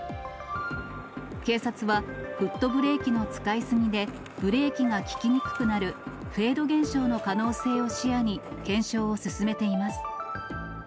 警察は、フットブレーキの使い過ぎで、ブレーキが利きにくくなるフェード現象の可能性を視野に、検証を進めています。